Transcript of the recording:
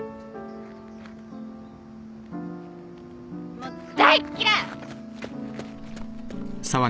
もう大嫌い！